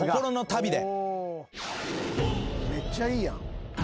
めっちゃいいやん。